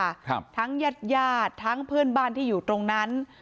ครับทั้งญาติญาติทั้งเพื่อนบ้านที่อยู่ตรงนั้น